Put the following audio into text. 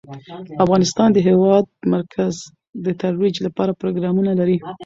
افغانستان د د هېواد مرکز د ترویج لپاره پروګرامونه لري.